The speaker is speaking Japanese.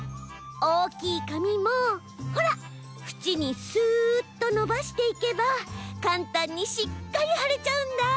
おおきいかみもほらふちにスッとのばしていけばかんたんにしっかりはれちゃうんだ。